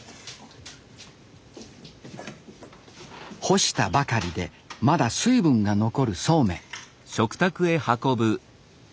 干したばかりでまだ水分が残るそうめん。